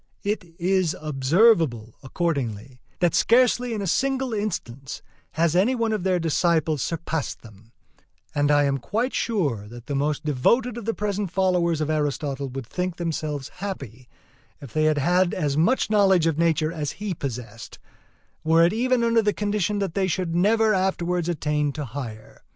It is observable, accordingly, that scarcely in a single instance has any one of their disciples surpassed them; and I am quite sure that the most devoted of the present followers of Aristotle would think themselves happy if they had as much knowledge of nature as he possessed, were it even under the condition that they should never afterwards attain to higher.